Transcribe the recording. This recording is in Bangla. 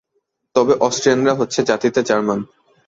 তবে অষ্ট্রীয়ানরা হচ্ছে জাতিতে জার্মান।